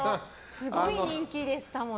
すごい人気でしたもんね。